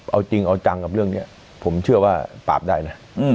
เอาจริงเอาจังกับเรื่องนี้ผมเชื่อว่าปราบได้นะ